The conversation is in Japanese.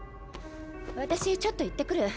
私ちょっと行ってくる。